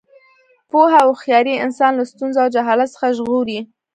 پوهه او هوښیاري انسان له ستونزو او جهالت څخه ژغوري.